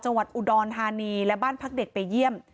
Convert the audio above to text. จังหวัดอุดรธานีและบ้านพักเด็กไปเยี่ยม